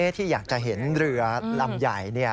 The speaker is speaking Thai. ที่อยากจะเห็นเรือลำใหญ่